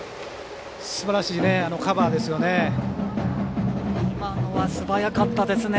すばらしいカバーですよね。